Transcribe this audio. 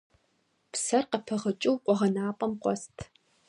Псэр къыпыгъыкӀыу къуэгъэнапӀэм къуэст.